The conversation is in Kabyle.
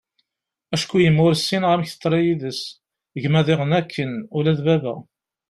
acku yemma ur ssineγ amek teḍṛa yid-s, gma diγen akken, ula d baba